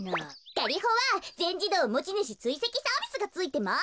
ガリホはぜんじどうもちぬしついせきサービスがついてます。